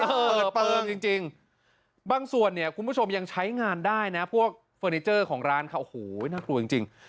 เปิดเติมจริงบางส่วนเนี่ยคุณผู้ชมยังใช้งานได้นะพวกเฟอร์นิเจอร์ของร้านเขาโอ้โหน่ากลัวจริง